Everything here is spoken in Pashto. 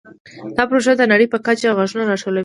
دا پروژه د نړۍ په کچه غږونه راټولوي.